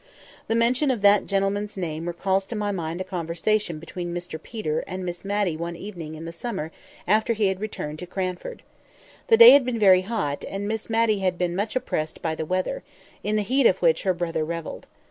The mention of that gentleman's name recalls to my mind a conversation between Mr Peter and Miss Matty one evening in the summer after he returned to Cranford. The day had been very hot, and Miss Matty had been much oppressed by the weather, in the heat of which her brother revelled.